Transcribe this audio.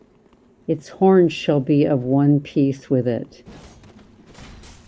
Its horns shall be of one piece with it.